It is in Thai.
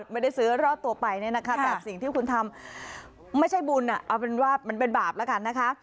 ไม่ได้ซื้อรอดตัวไปเนี่ยนะคะแต่สิ่งที่คุณทำไม่ใช่บุญเอาเป็นว่ามันเป็นบาปแล้วกันนะคะ